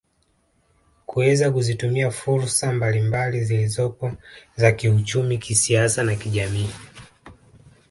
Kuweza kuzitumia fursa mbalimbali zilizopo za kiuchumi kisiasa na kijamii